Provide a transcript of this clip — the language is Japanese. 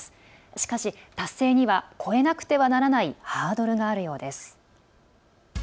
しかし、達成には越えなくてはならないハードルがあるようです。